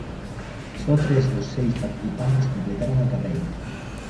Só tres dos seis participantes completaron a carreira.